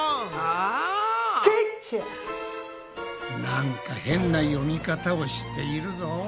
なんか変な読み方をしているぞ。